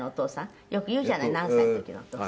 「よく言うじゃない“何歳の時のお父さん”」